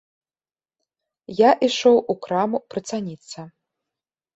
Я ішоў у краму прыцаніцца.